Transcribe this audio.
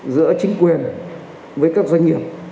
giữa chính quyền với các doanh nghiệp